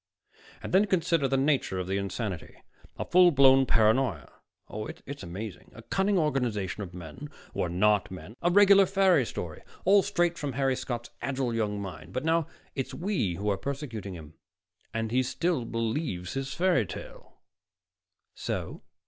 "And then consider the nature of the insanity a full blown paranoia oh, it's amazing. A cunning organization of men who are not men, a regular fairy story, all straight from Harry Scott's agile young mind. But now it's we who are persecuting him, and he still believes his fairy tale." "So?"